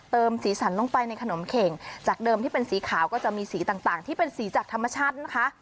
สีสันลงไปในขนมเข่งจากเดิมที่เป็นสีขาวก็จะมีสีต่างที่เป็นสีจากธรรมชาตินะคะ